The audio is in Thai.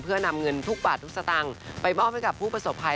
เพื่อนำเงินทุกบาททุกสตางค์ไปมอบให้กับผู้ประสบภัย